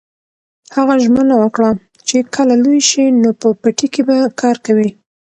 هغه ژمنه وکړه چې کله لوی شي نو په پټي کې به کار کوي.